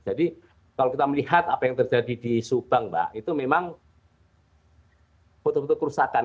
jadi kalau kita melihat apa yang terjadi di subang mbak itu memang betul betul kerusakan